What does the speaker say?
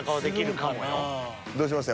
どうしました？